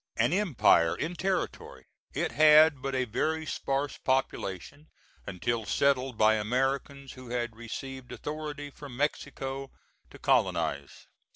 An empire in territory, it had but a very sparse population, until settled by Americans who had received authority from Mexico to colonize.